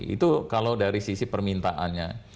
itu kalau dari sisi permintaannya